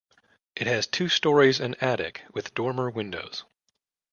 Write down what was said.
It has two storeys and attic with dormer windows.